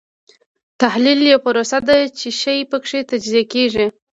تحلیل یوه پروسه ده چې شی پکې تجزیه کیږي.